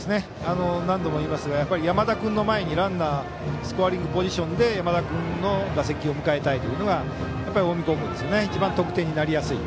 何度も言いますがやっぱり山田君の前にランナーをスコアリングポジションで山田君の打席迎えたいというのが近江高校の一番得点になりやすい。